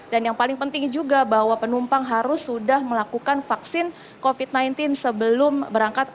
dan yang paling penting juga bahwa penumpang harus sudah melakukan vaksin covid sembilan belas sebelum berangkat